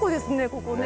ここね。